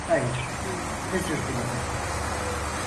Hayır, özür dileme.